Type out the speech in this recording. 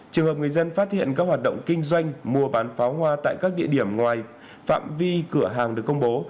trường hợp người dân phát hiện các hoạt động kinh doanh mua bán pháo hoa tại các địa điểm ngoài phạm vi cửa hàng được công bố